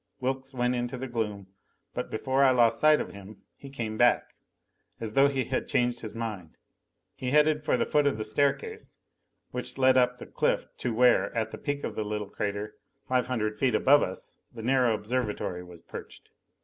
Wilks went into the gloom, but before I lost sight of him, he came back. As though he had changed his mind, he headed for the foot of the staircase which led up the cliff to where, at the peak of the little crater, five hundred feet above us, the narrow observatory was perched.